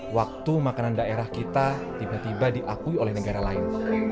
waktu makanan daerah kita tiba tiba diakui oleh negara lain